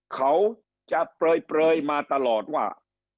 เขาจะเปลยมาตลอดว่า